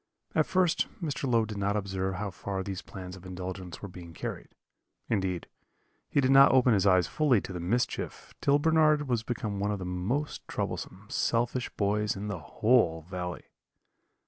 At first Mr. Low did not observe how far these plans of indulgence were being carried; indeed, he did not open his eyes fully to the mischief till Bernard was become one of the most troublesome, selfish boys in the whole valley.